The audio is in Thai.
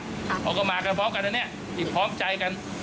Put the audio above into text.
เขาก็มากันพร้อมกันอันนี้ที่พร้อมใจกัน